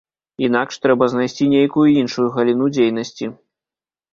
Інакш трэба знайсці нейкую іншую галіну дзейнасці.